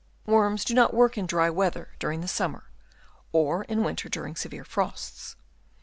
Worms do not work in dry weather during the summer, or in winter during severe frosts.